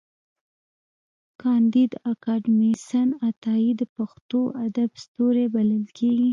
کانديد اکاډميسن عطايي د پښتو ادب ستوری بلل کېږي.